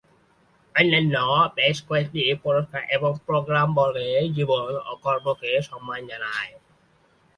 অন্যান্য বেশ কয়েকটি পুরস্কার এবং প্রোগ্রাম বর্গের জীবন ও কর্মকে সম্মান জানায়।